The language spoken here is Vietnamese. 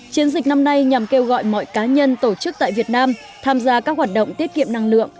chiến dịch năm nay nhằm kêu gọi mọi cá nhân tổ chức tại việt nam tham gia các hoạt động tiết kiệm năng lượng